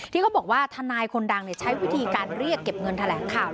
ที่เขาบอกว่าทนายคนดังใช้วิธีการเรียกเก็บเงินแถลงข่าว